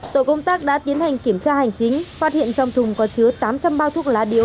tổ công tác đã tiến hành kiểm tra hành chính phát hiện trong thùng có chứa tám trăm linh bao thuốc lá điếu